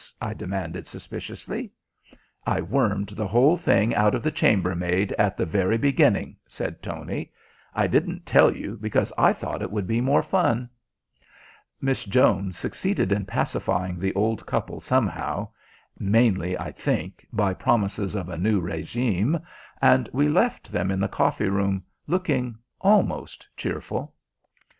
I demanded suspiciously. "I wormed the whole thing out of the chambermaid at the very beginning," said Tony. "I didn't tell you because I thought it would be more fun." Miss Jones succeeded in pacifying the old couple somehow mainly, I think, by promises of a new régime and we left them in the coffee room looking almost cheerful.